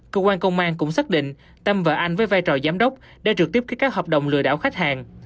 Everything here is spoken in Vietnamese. cơ quan công an cũng xác định tâm và anh với vai trò giám đốc đã trượt tiếp các hợp đồng lừa đạo khách hàng